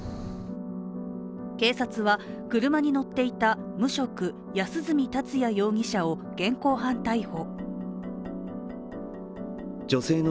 警察は車に乗っていた無職・安栖達也容疑者を現行犯逮捕。